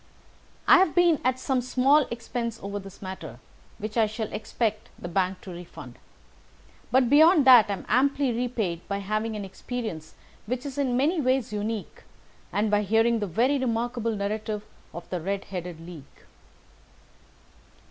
"I have been at some small expense over this matter, which I shall expect the bank to refund, but beyond that I am amply repaid by having had an experience which is in many ways unique, and by hearing the very remarkable narrative of the Red headed League."